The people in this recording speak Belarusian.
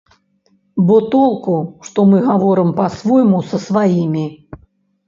Бо толку што мы гаворым па-свойму са сваімі?